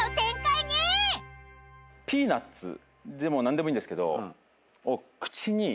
ピーナッツでも何でもいいんですけど口にこう。